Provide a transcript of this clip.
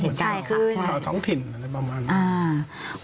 เหตุการณ์ข่าวท้องถิ่นอะไรประมาณนั้น